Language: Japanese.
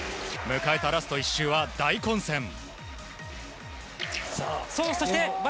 迎えたラスト１周は大混戦。